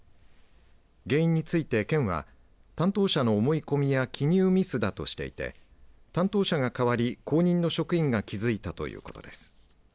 原因について県は担当者の思い込みや記入ミスだとしていて担当者が代わり後任の職員が気付いたということです。